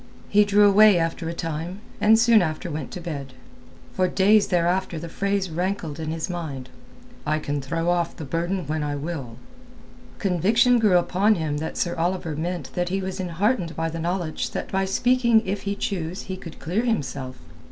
He drew away after a time, and soon after went to bed. For days thereafter the phrase rankled in his mind—"I can throw off the burden when I will." Conviction grew upon him that Sir Oliver meant that he was enheartened by the knowledge that by speaking if he choose he could clear himself.